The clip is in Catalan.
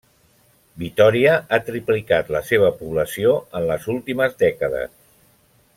Vitòria ha triplicat la seva població en les últimes dècades.